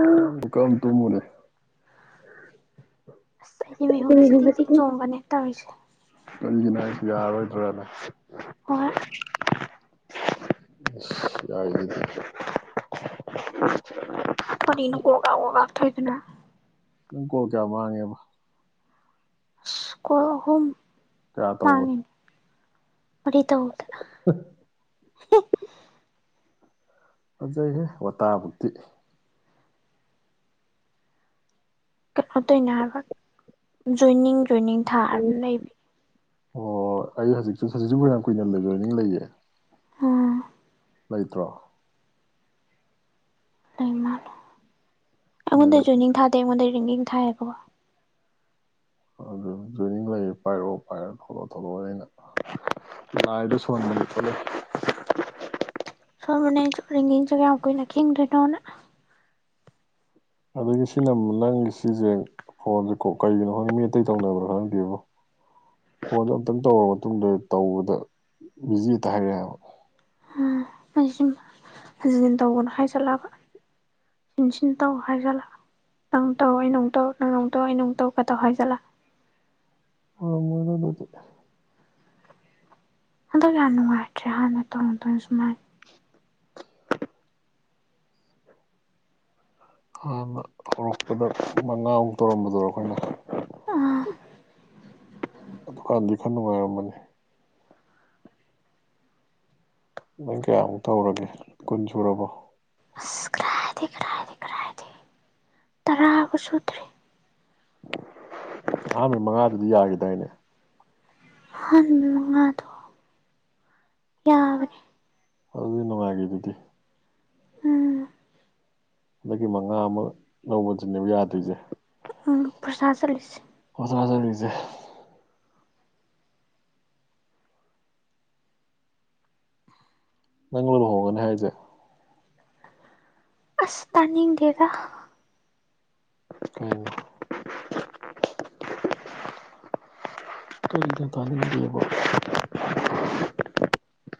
ꯎꯝ ꯃꯤꯀꯞ ꯑꯝ ꯇꯨꯝꯃꯨꯔꯦ ꯑꯩꯗꯤ ꯑꯁ ꯑꯩ ꯃꯤꯍꯨꯟꯒꯁꯦ ꯇꯤꯡ ꯇꯤꯡ ꯒꯤꯕꯁꯤꯗꯤ꯬꯬꯬ ꯆꯣꯡꯕꯅꯦ ꯇꯧꯔꯤꯁꯦ ꯀꯩꯒꯤꯅꯣ ꯍꯥꯢꯁꯦ ꯌꯥꯥꯔ ꯔꯣꯏꯗ꯭ꯔꯅ ꯍꯣꯏ ꯑꯁ ꯌꯥꯢꯁꯤꯗꯤ ꯀꯔꯤꯅꯣ ꯀꯣꯒꯥꯛ ꯀꯣꯒꯥꯛ ꯇꯧꯋꯤꯗꯨꯅ ꯅꯪ ꯀꯣꯜ ꯀꯌꯥ ꯃꯥꯥꯡꯉꯦꯕ ꯑꯁ ꯀꯣꯜ ꯑꯍꯨꯝ ꯀꯌꯥ ꯇꯧꯕ ꯃꯔꯤ ꯇꯧꯕꯗ ꯐꯖꯩꯍꯦ ꯋꯥ ꯇꯥꯕꯧꯗꯤ [unintelligible] ꯍꯥꯏꯕ ꯖꯣꯏꯅꯤꯡ ꯖꯣꯏꯅꯤꯡ ꯊꯥꯔ ꯑꯗꯨꯝ ꯂꯩꯕ ꯑꯣ ꯑꯩ ꯍꯧꯖꯤꯛꯁꯨ ꯍꯧꯖꯤꯛꯁꯨ ꯌꯥꯝ ꯀꯨꯏꯅ ꯂꯩ ꯖꯣꯏꯅꯤꯡ ꯂꯩꯌꯦ ꯎꯝ ꯂꯩꯇ꯭ꯔꯣ ꯂꯩ ꯃꯥꯜꯂꯦ ꯂꯩ ꯑꯩꯉꯣꯟꯗ ꯖꯣꯏꯅꯤꯡ ꯊꯥꯗꯦ ꯑꯩꯉꯣꯟꯗ ꯔꯤꯡꯒꯤꯡ ꯊꯥꯏꯌꯦꯕꯀꯣ ꯑꯗꯨ ꯖꯣꯏꯅꯤꯡ ꯂꯩꯔ ꯄꯥꯏꯔꯛꯑꯣ ꯄꯥꯏꯔꯑꯣ ꯊꯂꯛꯑꯣ ꯊꯂꯛꯑꯣ ꯑꯩꯅ ꯂꯥꯏꯗꯣ ꯁꯣꯟꯕꯅ ꯊꯣꯂꯛ ꯈꯪꯉꯣ ꯅꯪꯁꯨ ꯔꯤꯡꯒꯤꯡꯗꯣ ꯀꯌꯥꯝ ꯀꯨꯏꯅ ꯈꯤꯡꯗꯣꯏꯅꯣꯅ ꯑꯗꯒꯤ ꯁꯤꯅꯃꯨꯝ ꯅꯪꯒꯤ ꯁꯤꯁꯦ ꯐꯣꯟꯁꯦ ꯀꯣ ꯀꯩꯒꯤꯅꯣ ꯈꯪꯗꯦ ꯃꯤ ꯑꯇꯩ ꯇꯧꯅꯕ꯭ꯔ ꯈꯪꯗꯦꯕꯣ ꯐꯣꯟꯗꯣ ꯑꯝꯇꯪ ꯇꯧꯔ ꯃꯇꯨꯡꯗ ꯇꯧꯕꯗ ꯕꯤꯖꯤ ꯍꯦꯛꯇ ꯍꯥꯏꯔꯛꯑꯦ ꯍꯥꯏꯕ ꯑꯩꯁꯨꯅꯤ ꯍꯟꯖꯟ ꯍꯟꯖꯟ ꯇꯧꯒꯅꯣ ꯍꯥꯏ ꯖꯥꯠꯂꯕ ꯁꯤꯟ ꯁꯤꯟ ꯇꯧ ꯍꯥꯏꯖꯥꯠꯂ ꯅꯪ ꯇꯧ ꯑꯩꯩꯅꯃꯨꯛ ꯇꯧ ꯅꯪꯅꯃꯨꯛ ꯇꯧ ꯑꯩꯩꯅꯃꯨꯛ ꯇꯧ ꯀ ꯇꯧ ꯍꯥꯏ ꯖꯥꯠꯂ ꯑꯣꯏꯔꯝꯃꯣꯏꯗ ꯑꯗꯨꯗꯤ ꯍꯟꯗꯛ ꯌꯥꯝ ꯅꯨꯡꯉꯥꯏꯇ꯭ꯔꯦ ꯍꯥꯟꯅ ꯇꯧꯔꯝꯗꯕꯅꯤ ꯁꯨꯃꯥꯏ ꯍꯥꯟꯅ ꯍꯧꯔꯛꯄꯗ ꯃꯉꯥꯃꯨꯛ ꯇꯧꯔꯝꯕꯗꯨꯔꯣ ꯑꯈꯣꯏꯅ ꯑꯥ ꯑꯗꯨꯀꯥꯟꯗꯤ ꯈꯥꯔ ꯅꯨꯡꯉꯥꯏꯔꯝꯕꯅꯤ ꯅꯪ ꯀꯌꯥꯃꯨꯛ ꯇꯧꯔꯒꯦ ꯀꯨꯟ ꯁꯨꯔꯕ ꯀꯥꯏꯗꯩ ꯀꯗꯥꯏꯗꯩ ꯃꯉꯥꯕꯨꯛ ꯁꯨꯗ꯭ꯔꯤ ꯑꯍꯥꯟꯕ ꯃꯉꯥꯗꯨꯝ ꯌꯥꯈꯤꯗꯥꯏꯅꯦ ꯑꯍꯥꯟꯕꯩ ꯃꯉꯥꯗꯣ ꯌꯥꯕꯅꯦ ꯋꯥꯔꯤ ꯅꯨꯡꯉꯥꯏꯈ꯭ꯔꯤꯗꯨꯗꯤ ꯎꯝ ꯍꯟꯗꯛꯀꯤ ꯃꯉꯥ ꯑꯃ ꯂꯧꯕꯗꯨꯅꯦꯕ ꯌꯥꯗ꯭ꯔꯤꯁꯦ ꯐꯣꯔꯁꯥ ꯆꯠꯂꯤꯁꯦ [unintelligible] ꯅꯪꯔꯣ ꯂꯨꯍꯣꯡꯉꯅꯤ ꯍꯥꯏꯖꯦ ꯑꯁ ꯇꯥꯅꯤꯡꯗꯦꯗ ꯎꯝ ꯀꯩꯅꯣ ꯇꯥꯅꯤꯡꯗꯦꯕꯣ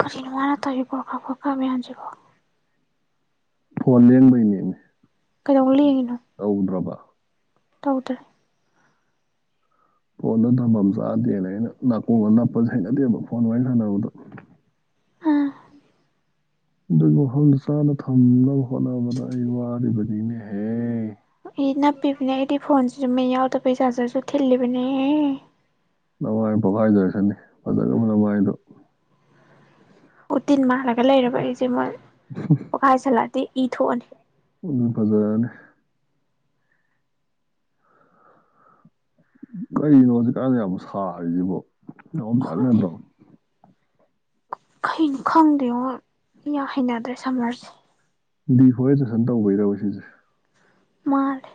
ꯀꯔꯤꯅꯣ ꯃꯥꯅ ꯇꯧꯔꯤ ꯀ꯭ꯔꯣꯀ ꯀ꯭ꯔꯣꯀ ꯃꯌꯥꯝꯁꯤꯕꯣ ꯐꯣꯟ ꯂꯦꯡꯕꯩꯅꯦꯃꯤ ꯀꯩꯗꯧ ꯂꯦꯡꯉꯤꯅꯣ ꯇꯧꯗ꯭ꯔꯕ ꯇꯧꯗ꯭ꯔꯦ ꯐꯣꯟꯗꯣ ꯊꯝꯐꯝ ꯆꯥꯗꯦꯅ ꯑꯩꯅ ꯅꯥꯀꯣꯡꯒ ꯅꯞꯄꯁꯦ ꯍꯩꯅꯗꯦꯕ ꯐꯣꯟ ꯋꯥꯔꯤ ꯁꯥꯟꯅꯕꯗ [inaudible] ꯑꯗꯨꯕꯨ ꯃꯐꯝ ꯆꯥꯅ ꯊꯝꯅꯕ ꯍꯣꯠꯅꯕꯗ ꯑꯩ ꯋꯥꯔꯤꯕꯅꯤꯅꯦꯍꯦ ꯏ ꯅꯞꯄꯤꯕꯅꯦ ꯑꯩꯗꯤ ꯐꯣꯟꯁꯤꯁꯨ ꯃꯤ ꯌꯥꯎꯗ ꯕꯩ ꯆꯥꯖꯔꯁꯨ ꯊꯤꯜꯂꯤꯕꯅꯦ ꯅꯃꯥꯏ ꯄꯣꯛꯈꯥꯏꯖꯔꯛꯁꯅꯤ ꯐꯖꯒ꯭ꯔꯕ ꯅꯃꯥꯏꯗꯣ ꯎꯇꯤꯟ ꯃꯥꯜꯂꯒ ꯂꯩꯔꯕ ꯑꯩꯁꯦ ꯃꯣꯏ ꯄꯣꯈꯥꯏꯁꯜꯂꯛꯑꯗꯤ ꯏ ꯊꯣꯛꯑꯅꯤ ꯎꯝ ꯐꯖꯔꯅꯤ ꯀꯔꯤꯅꯣ ꯍꯧꯖꯤꯛ ꯀꯥꯟꯁꯦ ꯌꯥꯝ ꯁꯥꯔꯤꯁꯤꯕꯣ ꯌꯥꯝ ꯈꯪꯗꯦ ꯑꯣꯝꯆꯥꯛꯅꯗ꯭ꯔꯣ ꯈꯪꯗꯦꯉꯣ ꯌꯥꯝ ꯍꯩꯅꯗ꯭ꯔꯦ ꯁꯝꯃꯔꯁꯦ ꯗꯤ ꯐꯣꯔꯦꯁꯇꯦꯁꯟ ꯇꯧꯕꯩꯔꯕ ꯁꯤꯁꯦ ꯃꯥꯜꯂꯦ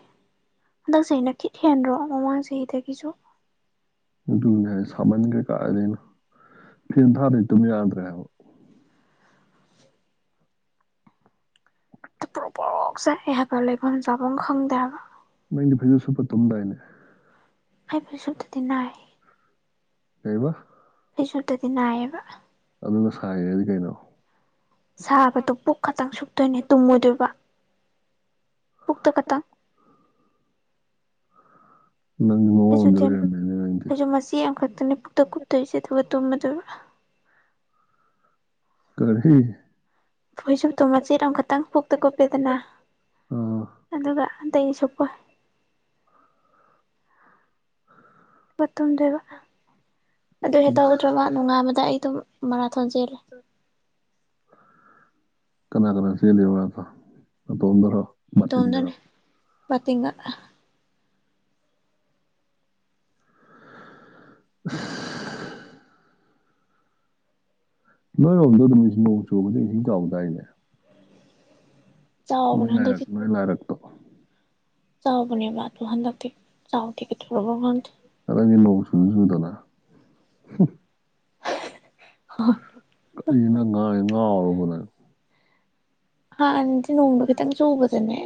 ꯍꯟꯗꯛ ꯆꯍꯤꯅ ꯈꯤꯠ ꯍꯦꯟꯗ꯭ꯔꯣ ꯃꯃꯥꯡ ꯆꯍꯤꯗꯒꯤꯁꯨ ꯑꯗꯨꯅꯦ ꯍꯥꯏꯁꯦ ꯁꯥꯃꯟꯒ꯭ꯔꯦ ꯀꯥꯏꯗꯩꯅꯣ ꯐꯦꯟ ꯊꯥꯗꯗꯤ ꯇꯨꯝꯕ ꯌꯥꯗ꯭ꯔꯦꯕ ꯄ꯭ꯔꯣꯛ ꯄ꯭ꯔꯣꯛ ꯆꯥꯛꯑꯦꯍꯥꯏꯕ ꯂꯩꯕꯝ ꯆꯥꯕꯝ ꯈꯪꯗꯦ ꯍꯥꯏꯕ ꯅꯪ ꯐꯩꯖꯨꯞꯁꯨꯞꯄ ꯇꯨꯝꯕꯩꯅꯦ ꯑꯩ ꯐꯩꯖꯨꯞ ꯁꯨꯝꯇꯗꯤ ꯅꯥꯏ ꯀꯩꯕ ꯑꯩ ꯁꯨꯞꯇꯗꯤ ꯅꯥꯏꯌꯦꯕ ꯑꯗꯨꯅ ꯁꯥꯏꯔꯗꯤ ꯀꯩꯅꯣ ꯁꯥꯕꯗꯣ ꯄꯨꯛ ꯈꯇꯪ ꯁꯨꯞꯇꯣꯏꯅꯦ ꯇꯨꯝꯃꯣꯏꯗꯣꯏꯕ ꯄꯨꯛꯇ ꯈꯇꯪ ꯅꯪꯗꯤ ꯃꯑꯣꯡ ꯑꯝꯗ ꯐꯩꯖꯨꯞꯁꯦ ꯂꯩꯔꯝꯃꯦꯅꯦ ꯅꯪꯗꯤ ꯐꯩꯖꯨꯞ ꯃꯆꯦ ꯑꯃꯈꯛꯇꯅꯦ ꯄꯨꯛꯇ ꯀꯨꯞꯇꯣꯏꯁꯦ ꯑꯗꯨꯒ ꯇꯨꯝꯃꯗꯣꯏꯕ ꯀꯔꯤ ꯐꯩꯖꯨꯞꯇꯣ ꯃꯆꯦꯠ ꯑꯃ ꯈꯇꯥꯡ ꯄꯨꯛꯇ ꯁꯨꯞꯄꯦꯗꯅ ꯑꯥ ꯑꯗꯨꯒ ꯑꯇꯩꯗꯤ ꯁꯨꯞꯄꯣꯏ ꯗꯨꯒ ꯇꯨꯝꯗꯣꯏꯕ ꯑꯗꯨ ꯍꯦꯛ ꯇꯧꯍꯧꯗ꯭ꯔꯕ ꯅꯨꯡꯉꯥꯟꯕꯗ ꯑꯩ ꯑꯗꯨꯝ ꯃꯔꯥꯊꯣꯟ ꯆꯦꯜꯂꯦ [inaudible] ꯀꯅꯥ ꯀꯅꯥ ꯆꯦꯜꯂꯤꯕ ꯅꯇꯣꯝꯇꯔꯣ ꯕꯥꯇꯤꯟꯒꯔꯣ ꯕꯇꯤꯟꯒ ꯍꯥ ꯑꯁ ꯅꯣꯏꯔꯣꯝꯗꯣ ꯅꯣꯡ ꯆꯨꯕꯗꯤ ꯏꯁꯤꯡ ꯆꯥꯎꯗꯥꯏꯅꯦ ꯆꯥꯎꯕꯅꯦ ꯅꯣꯏꯅꯔꯛ ꯍꯟꯗꯛꯇꯤ ꯅꯣꯏꯅꯔꯛ ꯆꯥꯎꯕꯅꯦꯕ ꯑꯗꯣ ꯍꯥꯟꯗꯛꯇꯤ ꯆꯥꯎꯗꯦ ꯀꯩꯗꯧꯔꯕꯅꯣ ꯈꯪꯗꯦ ꯅꯣꯡꯁꯨ ꯆꯨꯗꯅ ꯀꯔꯤꯅꯣ ꯅꯪ ꯉꯥꯡꯉꯤ ꯉꯥꯎꯔꯕꯣ ꯅꯪ ꯍꯥꯟ ꯅꯗꯤ ꯅꯣꯡꯗꯣ ꯈꯤꯇꯪ ꯆꯨꯕꯗꯅꯦ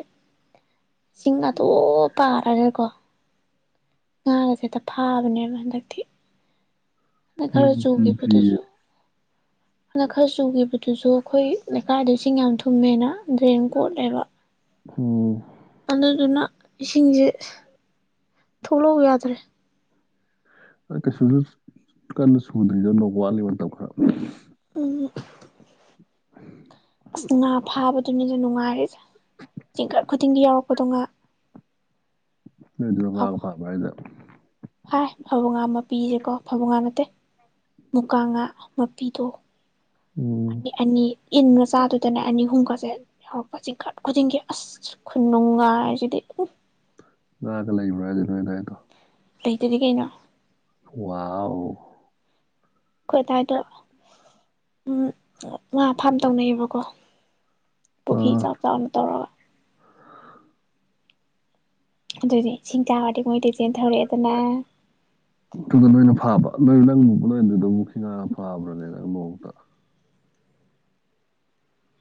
ꯁꯤꯡ ꯑꯗꯨꯝ ꯄꯥꯔꯒꯀꯣ ꯉꯥꯒꯁꯦꯍꯦꯛꯇ ꯐꯥꯕꯅꯦꯕ ꯍꯟꯗꯛꯇꯤ ꯗꯛ ꯈꯔ ꯅꯣꯡ ꯆꯨꯗ꯭ꯔꯤꯌꯦ ꯆꯨꯍꯤꯕꯗꯨꯁꯨ ꯑꯗꯨꯅ ꯈꯔ ꯆꯨꯈꯤꯕꯗꯨꯁꯨ ꯑꯩꯈꯣꯏ ꯂꯩꯀꯥꯏꯗꯣ ꯏꯁꯤꯡ ꯌꯥꯝ ꯊꯨꯝꯃꯦꯅ ꯗ꯭ꯔꯦꯟ ꯀꯣꯠꯂꯦꯕ ꯑꯣ ꯑꯗꯨꯗꯨꯅ ꯏꯁꯤꯡꯁꯦ ꯊꯣꯛꯂꯥꯎ ꯌꯥꯗ꯭ꯔꯦ ꯀꯩꯁꯨꯁꯨ ꯀꯟꯅ ꯁꯨꯗ꯭ꯔꯤꯗ ꯅꯣꯡ ꯋꯥꯠꯂꯤ ꯃꯇꯝ ꯈꯔ ꯎꯝ ꯑꯗꯨꯅꯤꯅ ꯅꯨꯡꯉꯥꯏꯔꯤꯁꯦ ꯆꯤꯡꯈꯠ ꯈꯨꯗꯤꯡꯒꯤ ꯌꯥꯎꯔꯛꯄꯗꯣ ꯉꯥ ꯅꯣꯏꯗꯨꯅ ꯑ ꯉꯥꯒ ꯐꯥꯕ꯭ꯔꯥ ꯍꯥꯏꯁꯦ ꯐꯥꯏ ꯐꯕꯧꯉꯥ ꯃꯄꯤꯁꯦꯀꯣ ꯐꯕꯧꯉꯥ ꯅꯠꯇꯦ ꯃꯨꯀꯥꯉꯥ ꯃꯄꯤꯗꯣ ꯎꯝ ꯑꯅꯤ ꯏꯟꯒ ꯆꯥꯗꯨꯗꯅ ꯑꯅꯤ ꯑꯍꯨꯝꯒꯁꯦ ꯌꯥꯎꯔꯛꯄ ꯆꯤꯡꯈꯠ ꯈꯨꯗꯤꯡꯒꯤ ꯑꯁ ꯈꯨꯅꯨꯡꯉꯥꯏ ꯈꯨꯅꯨꯡꯉꯥꯏꯁꯤꯗꯤ ꯎꯝ ꯉꯥꯒ ꯂꯩꯕ꯭ꯔ ꯍꯥꯏꯁꯦ ꯅꯣꯏ ꯗꯥꯏꯗꯣ ꯂꯩꯇꯗꯤ ꯀꯩꯅꯣ ꯋꯥꯎ ꯑꯩꯈꯣꯏ ꯑꯗꯨꯗꯥꯏꯗ ꯎꯝ ꯉꯥ ꯐꯥꯝ ꯇꯧꯅꯩꯌꯦꯕꯀꯣ ꯄꯨꯈ꯭ꯔꯤ ꯑꯥ ꯆꯥꯎ ꯆꯥꯎꯅ ꯇꯧꯔꯒ ꯑꯗꯨꯗꯤ ꯏꯁꯤꯡ ꯃꯣꯏꯗꯤ ꯆꯦꯟꯊꯔꯛꯑꯦꯗꯅ ꯑꯗꯨꯗ ꯅꯣꯏꯅ ꯐꯥꯕ ꯅꯣꯏ ꯅꯪ ꯂꯨꯛ ꯅꯣꯏ ꯑꯗꯨꯗ ꯑꯃꯨꯛꯈꯤ ꯉꯥ ꯐꯕ꯭ꯔꯅꯦ ꯅꯪ ꯃꯨꯛꯇ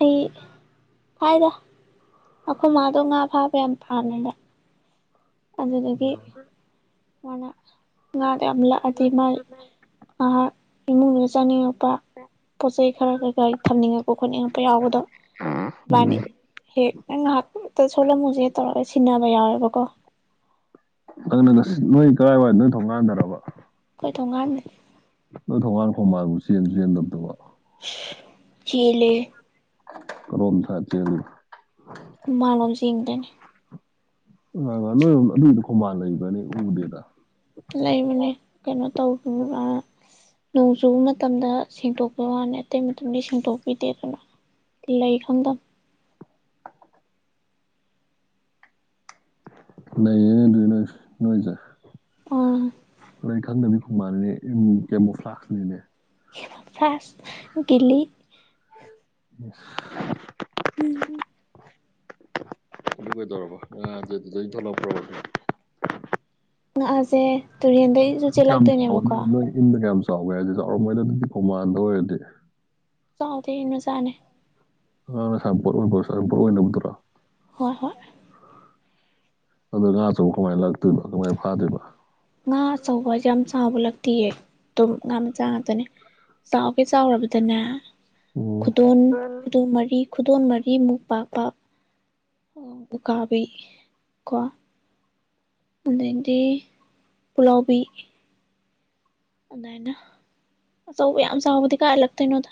ꯑꯩ ꯐꯥꯏꯗ ꯑꯩꯈꯣꯏ ꯃꯥꯗꯣ ꯉꯥ ꯐꯥꯕ ꯌꯥꯝ ꯄꯥꯃꯦꯗ ꯑꯗꯨꯗꯒꯤ ꯃꯥꯅ ꯉꯥꯗ ꯌꯥꯝ ꯂꯥꯛꯑꯗꯤ ꯃꯥꯥꯏ ꯉꯍꯥꯛ ꯏꯃꯨꯡꯗꯨ ꯆꯥꯅꯤꯡꯉꯛꯄ ꯄꯣꯠ ꯆꯩ ꯈꯔ ꯀꯩꯀꯔꯤ ꯊꯝꯅꯤꯡꯉꯛꯄ ꯈꯣꯠꯅꯤꯡꯉꯛꯄ ꯌꯥꯎꯕꯗꯣ ꯏꯕꯥꯅꯤ ꯎꯝ ꯍꯦꯛ ꯅ ꯉꯥꯏꯍꯥꯛꯇ ꯁꯣꯂꯝꯃꯨꯁꯦ ꯍꯦꯛ ꯇꯧꯔꯒ ꯁꯤꯟꯅꯕ ꯌꯥꯎꯋꯦꯕꯀꯣ ꯅꯣꯏ ꯀꯔꯥꯏꯋꯥꯏꯗ ꯅꯣꯏ ꯊꯣꯡ ꯒꯥꯟꯗꯔꯕ ꯑꯩꯈꯣꯏ ꯊꯣꯡꯒꯥꯥꯟ ꯍꯣꯔꯃꯥꯡꯕꯨ ꯆꯦꯟ ꯆꯦꯟꯗꯕꯗꯕ ꯆꯦꯜꯂꯦ ꯀꯔꯣꯝ ꯁꯥꯠꯂ ꯆꯦꯜꯂꯤꯕ ꯃꯥꯃꯥꯡ ꯂꯣꯝ ꯆꯦꯟꯈꯤꯗꯣꯏꯅꯤ ꯑ ꯅꯣꯏ ꯑꯗꯨꯒꯤꯗꯤ ꯈꯣꯡꯕꯥꯜ ꯂꯩꯕ꯭ꯔꯥꯅꯦ ꯎꯗꯦꯗ ꯂꯩꯕꯅꯤ ꯀꯩꯅꯣ ꯇꯧꯕꯅꯤ ꯃꯥ ꯅꯣꯡ ꯆꯨꯕ ꯃꯇꯝꯗ ꯁꯦꯡꯇꯣꯛꯄ ꯋꯥꯅꯤ ꯑꯇꯩ ꯃꯇꯝꯗꯤ ꯁꯦꯡꯇꯣꯛꯄꯤꯗꯦ ꯑꯗꯨꯅ ꯂꯩ ꯈꯪꯗ ꯂꯩꯌꯦ ꯑꯗꯨ ꯅꯨꯡꯉꯥꯏꯖꯔꯣꯏ ꯈꯪꯗꯕꯤ [unintelligible] ꯐꯥꯁ ꯕꯤꯜꯂꯤ [inaudible] ꯑꯗꯨ ꯀꯩꯗꯧꯔꯕ ꯉꯥꯖ ꯗꯨꯎꯩ ꯑꯣꯏꯊꯣꯛꯂꯛꯄ꯭ꯔ ꯉꯥꯁꯦ ꯇꯨꯔꯦꯟꯗꯒꯤꯁꯨ ꯀꯌꯥꯝ ꯆꯥꯎꯋꯦ ꯆꯦꯜꯂꯛꯇꯣꯏꯅꯦꯕꯀꯣ ꯅꯣꯏ ꯅꯣꯏ ꯏꯟꯗ ꯀꯌꯥꯝ ꯆꯥꯎꯒꯦ ꯍꯥꯏꯁꯦ ꯆꯥꯎꯔꯝꯝꯕꯩꯗꯨꯗꯤ ꯄꯣꯡꯃꯥꯟꯗ ꯑꯣꯏꯔꯗꯤ ꯆꯥꯎꯗꯦ ꯃꯥꯆꯥꯅꯤ ꯑꯉꯥꯡ ꯁꯥꯅꯄꯣꯠ ꯁꯥꯅꯄꯣꯠ ꯑꯣꯏꯅꯕꯗꯨꯔꯣ ꯍꯣꯏ ꯍꯣꯏ ꯑꯗꯣ ꯉꯥ ꯑꯆꯧꯕ ꯀꯃꯥꯏꯅ ꯂꯥꯛꯛꯇꯣꯏꯔꯤꯕ ꯀꯃꯥꯏꯅ ꯐꯥꯗꯣꯏꯔꯤꯕ ꯉꯥ ꯑꯆꯧꯕꯁꯦ ꯌꯥꯝ ꯆꯥꯎꯕ ꯂꯛꯇꯤꯌꯦ ꯑꯗꯨꯝ ꯉꯥ ꯃꯆꯥ ꯉꯥꯛꯇꯅꯦ ꯆꯥꯎꯒꯦ ꯆꯥꯎꯔꯕꯗꯅꯦ ꯎꯝ ꯈꯨꯗꯣꯟ ꯈꯨꯗꯣ ꯃꯔꯤ ꯈꯨꯗꯣꯟ ꯃꯔꯤꯃꯨꯛ ꯄꯥꯛꯄ ꯎꯀꯥꯕꯤ ꯀꯣ ꯑꯗꯤ ꯄꯨꯛꯂꯥꯎꯕꯤ ꯑꯗꯨꯃꯥꯏꯅ ꯑꯆꯧꯕ ꯌꯥꯝ ꯆꯥꯎꯕꯗꯤ ꯀꯥꯏꯂꯛꯇꯣꯏꯅꯣꯗ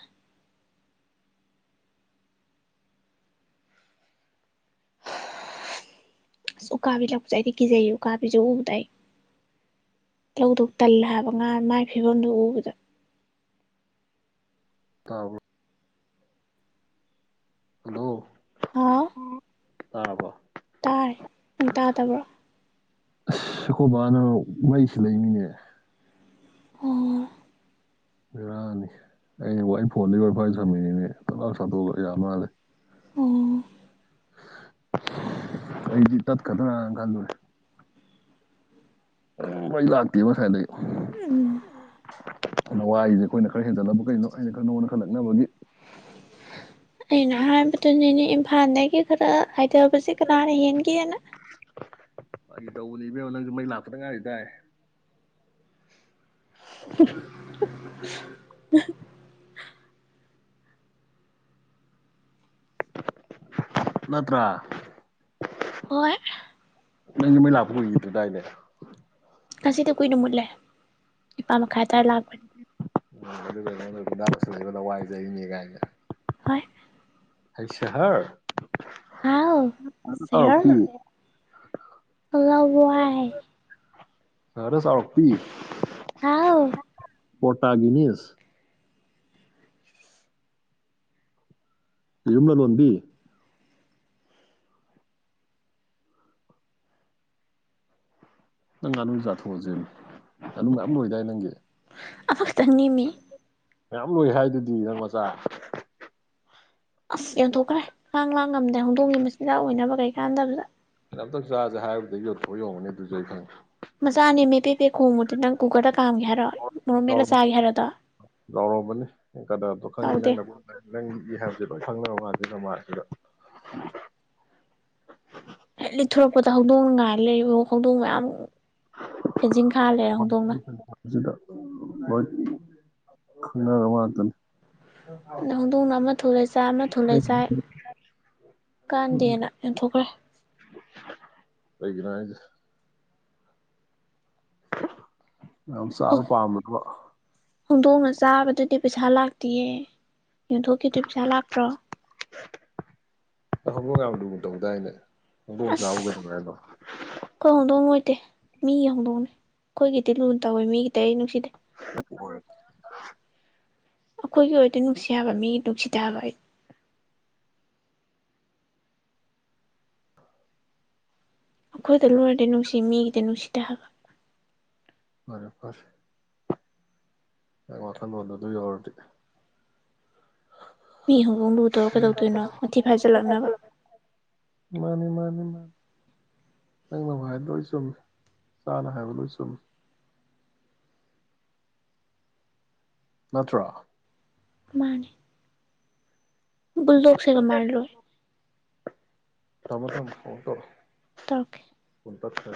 ꯑ ꯎꯀꯥꯕꯤ ꯂꯛꯄꯁꯦ ꯑꯩꯗꯤ ꯀꯤꯖꯩꯌꯦ ꯎꯀꯥꯕꯤꯁꯨ ꯎꯕ ꯂꯧꯗꯧꯛ ꯇꯜꯂꯦ ꯍꯥꯏꯕ ꯉꯥ ꯃꯥꯏ ꯐꯤꯕꯝꯗꯨ ꯎꯕꯗ ꯇꯕ꯭ꯔꯣ ꯍꯜꯂꯣ ꯍꯥꯥꯎ ꯇꯥꯔꯕꯣ ꯇꯥꯔꯦ ꯅꯪ ꯇꯥꯗꯕ꯭ꯔꯣ ꯑꯁ ꯑꯀꯣꯢꯕꯅ ꯃꯩ ꯁꯤꯜꯂꯛꯢꯝꯅꯤꯅꯦ ꯑꯣ ꯕꯦꯔꯅꯦ ꯑꯩꯅ ꯋꯥꯢ ꯐꯣꯟꯗꯒꯤ ꯋꯥꯢꯐꯥꯢ ꯁꯝꯃꯨꯢꯅꯤꯅꯦ ꯊꯛ ꯂꯥꯎꯅ ꯁꯠꯇꯣꯛꯑꯒ ꯌꯥ ꯃꯥꯜꯂꯦ ꯎꯝ ꯍꯝ ꯑꯩꯗꯤ ꯇꯠꯀꯗ꯭ꯔꯅ ꯀꯜꯂꯨꯔꯦ ꯃꯩ ꯂꯥꯛꯇꯦꯕ ꯉꯁꯥꯏꯗꯩ ꯎꯝ ꯂꯋꯥꯏꯁꯦ ꯑꯩꯈꯣꯏꯅ ꯈꯔ ꯍꯦꯟꯖꯜꯂꯕ ꯀꯩꯅꯣ ꯑꯩꯅ ꯀꯔ ꯅꯪꯉꯣꯟꯗ ꯈꯔ ꯂꯛꯅꯕꯒꯤ ꯑꯩꯅ ꯍꯥꯏꯕꯗꯨꯅꯤꯅꯦ ꯏꯝꯐꯥꯜꯗꯒꯤ ꯈꯔ ꯍꯥꯏꯊꯕꯁꯦ ꯀꯅꯥꯅ ꯍꯦꯟꯒꯦꯅ ꯐꯒꯤ ꯇꯧꯕꯅꯦ ꯏꯕꯦꯝꯃ ꯅꯪꯁꯨ ꯃꯩ ꯂꯥꯛꯄꯗ ꯉꯥꯏꯔꯤ ꯗꯥꯏ [unintelligible] ꯅꯠꯇ꯭ꯔꯥ ꯍꯣꯢ ꯅꯪꯗꯤ ꯃꯩ ꯂꯥꯛꯄ ꯀꯨꯏꯒꯤꯗ꯭ꯔꯤ ꯗꯥꯏꯅꯦ ꯉꯁꯤꯗꯤ ꯀꯨꯏꯅ ꯃꯨꯠꯂꯦ ꯅꯤꯄꯥꯜ ꯃꯈꯥꯏ ꯑꯗꯥꯏ ꯂꯥꯛꯄꯅꯦ [unintelligible] ꯍꯏ ꯍꯩ ꯁꯥꯍꯔ ꯍꯥꯎ ꯁꯥꯍꯔ ꯁꯦꯔ ꯆꯥꯎꯔꯛꯄꯤ ꯂꯋꯥꯏ ꯁꯥꯍꯔꯗ ꯆꯥꯎꯔꯛꯄꯤ ꯍꯥꯎ ꯄꯣꯇꯥꯔꯒꯤꯅꯤꯁ ꯌꯦꯔꯨꯝ ꯂꯂꯣꯟꯕꯤ ꯅꯪ ꯉꯥꯅꯨ ꯆꯥꯊꯣꯛꯑꯖꯦꯃꯦ ꯉꯥꯅꯨ ꯃꯌꯥꯝ ꯂꯣꯏꯗꯥꯏ ꯅꯪꯒꯤ ꯑꯃꯈꯛꯇꯅꯦꯃꯤ ꯃꯌꯥꯝ ꯂꯣꯏ ꯍꯥꯏꯗꯨꯗꯤ ꯅꯪ ꯃꯆꯥ ꯑꯁ ꯌꯣꯟꯊꯣꯛꯈ꯭ꯔꯦ ꯈꯥꯡ ꯂꯥꯛ ꯉꯝꯗꯦ ꯍꯧꯗꯣꯡꯉꯤ ꯃꯆꯤꯟꯖꯥꯛ ꯑꯣꯏꯅꯕ ꯀꯩ ꯀꯥꯟꯗꯕꯗ ꯑꯩꯅ ꯑꯝꯇꯪ ꯆꯥꯥꯁꯦ ꯍꯥꯏꯔꯨꯕꯗꯒꯤ ꯌꯣꯟꯊꯣꯛꯏ ꯑꯣꯏꯔꯝꯒꯅꯤ ꯑꯗꯨꯁꯨ ꯑꯩ ꯈꯪꯉꯦ ꯃꯆꯥꯅꯦ ꯃꯦ ꯄꯦꯄꯦ ꯈꯣꯡꯕꯗꯨ ꯅꯪ ꯀꯨꯀꯔꯗ ꯀꯥꯝꯒꯦ ꯍꯥꯏꯔꯣ ꯃꯣꯔꯣꯛ ꯃꯦꯠꯂꯒ ꯆꯥꯒꯦ ꯍꯥꯏꯔꯗꯣ ꯂꯥꯎꯔꯝꯃꯅꯤ ꯀꯗ꯭ꯔꯗꯣ ꯈꯪꯉꯦ ꯅꯪꯒꯨꯟ ꯅꯪ ꯂꯤꯛꯑꯦ ꯍꯥꯏꯕꯗꯨ [unintelligible] ꯂꯤꯠꯊꯣꯔꯛꯄꯗ ꯍꯧꯗꯣꯡꯅ ꯉꯥꯏ ꯂꯩꯔꯤꯕ ꯍꯧꯗꯣꯡ ꯃꯌꯥꯝ ꯐꯦꯟꯁꯤꯡ ꯈꯥ ꯂꯩꯔꯦ ꯍꯧꯗꯣꯡꯅ [inaudible] ꯈꯪꯅꯔꯕ ꯉꯥꯛꯇꯅꯦ ꯑꯗꯣ ꯍꯧꯗꯣꯡꯅ ꯑꯃ ꯊꯣꯛꯂꯛꯑꯦ ꯆꯥ ꯑꯃ ꯊꯣꯛꯂꯛꯑꯦ ꯆꯥꯏ ꯀꯥꯟꯗꯦꯅ ꯌꯦꯟꯊꯣꯛꯈ꯭ꯔꯦ ꯀꯩꯒꯤꯅꯣ ꯍꯥꯏꯁꯦ ꯌꯥꯝ ꯆꯥꯕ ꯄꯥꯝꯕꯗꯣ ꯍꯧꯗꯣꯡꯅ ꯆꯥꯕꯗꯨꯗꯤ ꯄꯩꯁꯥ ꯂꯥꯛꯇꯤꯌꯦ ꯌꯣꯟꯊꯣꯛꯈꯤꯗꯨ ꯄꯩꯁꯥ ꯂꯥꯛꯇ꯭ꯔꯣ ꯅꯪ ꯍꯧꯗꯣꯡ ꯌꯥꯝ ꯂꯨꯅ ꯇꯧꯗꯥꯏꯅꯦ ꯍꯧꯗꯣꯡꯅ ꯑꯁ ꯆꯥꯕꯕꯨ ꯀꯩꯗꯧꯋꯦ ꯍꯥꯏꯅꯣ ꯎꯝ ꯃꯤ ꯌꯧꯗꯣꯡꯅꯦ ꯑꯈꯣꯏꯒꯤꯗꯤ ꯂꯨꯅ ꯇꯧꯋꯦ ꯃꯤꯒꯤꯗꯤ ꯑꯩ ꯅꯨꯡꯁꯤꯗꯦ [inaudible] ꯑꯈꯣꯏꯒꯤ ꯑꯣꯏꯔꯗꯤ ꯅꯨꯡꯁꯤ ꯍꯥꯏꯕ ꯃꯤ ꯅꯨꯡꯁꯤꯗꯦ ꯍꯥꯏꯕ ꯑꯩ ꯑꯈꯣꯏꯗ ꯂꯣꯏꯔꯗꯤ ꯅꯨꯡꯁꯤ ꯃꯤꯒꯤꯗꯤ ꯅꯨꯡꯁꯤꯗꯦ ꯍꯥꯏꯕ ꯐꯔꯦ ꯐꯔꯦ ꯅꯪ ꯋꯥꯈꯜꯂꯣꯟꯗꯣ ꯑꯗꯨ ꯌꯧꯔꯗꯤ ꯃꯤ ꯍꯧꯗꯣꯡ ꯂꯨꯅꯇꯧꯔ ꯀꯩꯗꯧꯗꯣꯏꯅꯣ ꯃꯊꯤ ꯐꯥꯏꯖꯜꯂꯛꯅꯕ ꯃꯥꯅꯤ ꯃꯥꯅꯤ ꯃꯥꯅꯤ ꯅꯪꯅꯕꯨ ꯍꯥꯏꯔꯗꯤ ꯂꯣꯏ ꯆꯨꯝꯃꯦ ꯆꯥꯅ ꯍꯥꯏꯕ ꯂꯣꯏ ꯆꯨꯝꯃꯦ ꯅꯠꯇ꯭ꯔꯣ ꯃꯥꯟꯅꯦ ꯨꯕꯨꯜꯗꯣꯛꯁꯦ ꯀꯃꯥꯏꯅ ꯂꯣꯏ ꯊꯝꯃꯣ ꯊꯝꯃꯣ ꯑꯃꯨꯛ ꯇꯧꯔꯛ ꯑꯣ ꯇꯧꯔꯛꯀꯦ ꯐꯣꯟ ꯇꯠꯀ꯭ꯔꯦ